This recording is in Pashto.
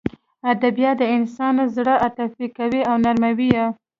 ادبیات د انسان زړه عاطفي کوي او نرموي یې